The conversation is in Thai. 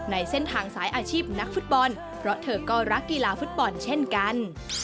ในเส้นทางสายอาชีพนักฟุตบอลเพราะเธอก็รักกีฬาฟุตบอลเช่นกัน